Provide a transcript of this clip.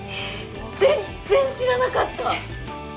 全然知らなかった！